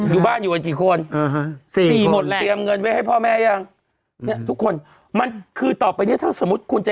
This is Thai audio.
อยุ่บ้านอยู่กันกี่คน